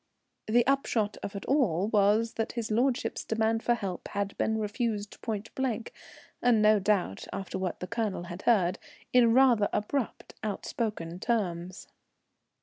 The upshot of it all was that his lordship's demand for help had been refused pointblank, and no doubt, after what the Colonel had heard, in rather abrupt, outspoken terms.